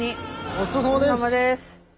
ごちそうさまです！